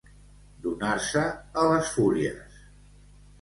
Donar-se a les fúries.